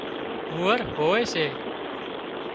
هوئرهوئي سي